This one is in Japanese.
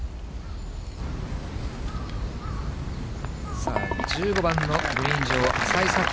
さあ、１５番のグリーン上、淺井咲希。